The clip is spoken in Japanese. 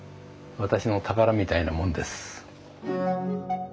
私の宝みたいなもんです。